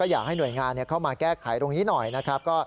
อยากให้หน่วยงานเข้ามาแก้ไขตรงนี้หน่อยนะครับ